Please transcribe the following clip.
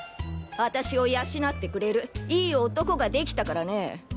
私を養ってくれるいい男ができたからねえ！